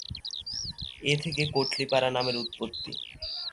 এ থেকে কোটালীপাড়া নামের উৎপত্তি।